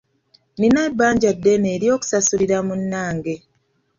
Nina ebbanja ddene oly'okusasulira munnange.